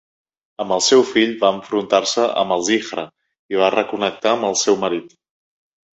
Amb el seu fill, va enfrontar-se amb els hijra i va reconnectar amb el seu marit.